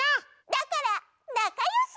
だからなかよし！